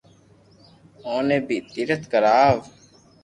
اوني بي تيرٿ ڪراوُ